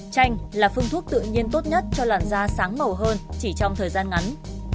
chanh là phun thuốc tự nhiên tốt nhất cho làn da sáng màu hơn chỉ trong thời gian ngắn